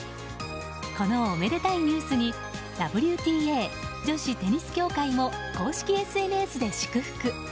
このおめでたいニュースにＷＴＡ・女子テニス協会も公式ＳＮＳで祝福。